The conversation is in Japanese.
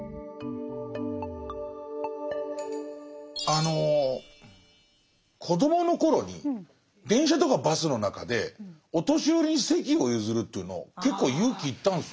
あの子どもの頃に電車とかバスの中でお年寄りに席を譲るというの結構勇気いったんですよ。